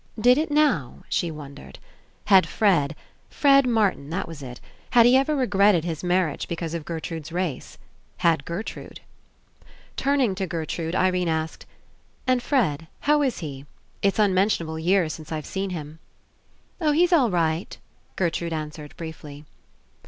Did it now, she won dered? Had Fred — Fred Martin, that was It — had he ever regretted his marriage because of Gertrude's race? Had Ger trude ? Turning to Gertrude, Irene asked: 54 ENCOUNTER "And Fred, how Is he? It's unmentionable years since I've seen him." *'0h, he's all right," Gertrude an swered briefly.